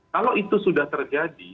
kalau itu sudah terjadi